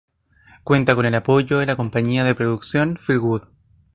Cuenta con el apoyo de la compañía de producción "Feel Good".